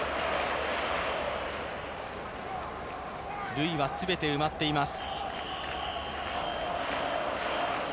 塁は全て埋まっています。